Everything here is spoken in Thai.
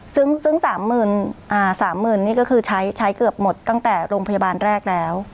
ซึ่ง๓๐๐๐นี่ก็คือใช้เกือบหมดตั้งแต่โรงพยาบาลแรกแล้ว